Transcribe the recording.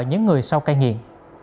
những người sau ca nghiện